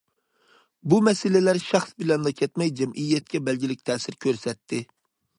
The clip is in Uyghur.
بۇ مەسىلىلەر شەخس بىلەنلا كەتمەي، جەمئىيەتكە بەلگىلىك تەسىر كۆرسەتتى.